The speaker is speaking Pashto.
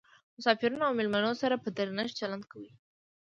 مسافرینو او میلمنو سره په درنښت چلند کوي.